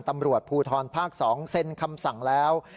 ตำรวจภูทรภาค๒เซ็นคำสั่งแล้ว